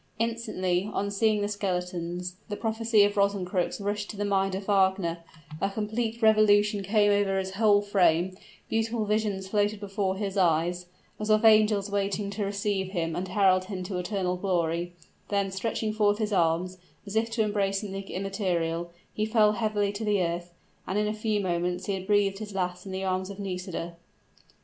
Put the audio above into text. Instantly on seeing the skeletons, the prophecy of Rosencrux rushed on the mind of Wagner; a complete revolution came over his whole frame, beautiful visions floated before his eyes, as of angels waiting to receive him and herald him to eternal glory; then stretching forth his arms, as if to embrace something immaterial, he fell heavily to the earth, and in a few moments he had breathed his last in the arms of Nisida.